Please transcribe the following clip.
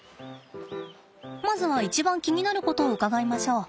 まずは一番気になることを伺いましょう。